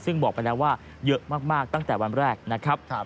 ซึ่งบอกไปแล้วว่าเยอะมากตั้งแต่วันแรกนะครับ